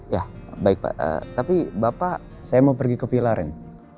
ya baik pak tapi bapak saya mau pergi ke vilar ini